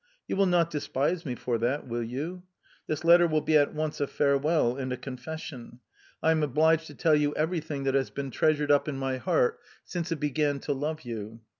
You will not despise me for that will you? This letter will be at once a farewell and a confession: I am obliged to tell you everything that has been treasured up in my heart since it began to love you.